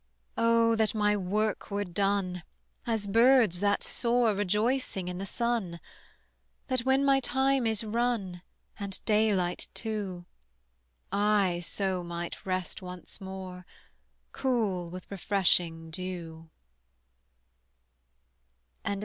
O that my work were done As birds' that soar Rejoicing in the sun: That when my time is run And daylight too, I so might rest once more Cool with refreshing dew.